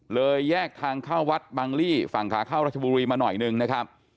แยกทางเข้าวัดบังลี่ฝั่งขาเข้ารัชบุรีมาหน่อยหนึ่งนะครับ